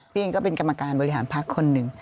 เองก็เป็นกรรมการบริหารพักคนหนึ่ง